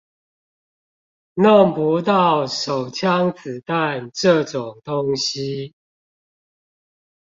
弄不到手槍子彈這種東西